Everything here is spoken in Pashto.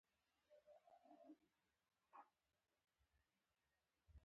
د زړور کس خوند د خطر منل دي.